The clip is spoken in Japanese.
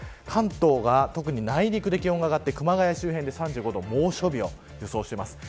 関東が特に内陸で気温が上がって熊谷では猛暑日を予想しています。